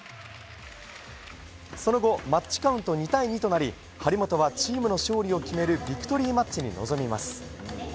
その後、マッチカウント２対２となり張本はチームの勝利を決めるビクトリーマッチに臨みます。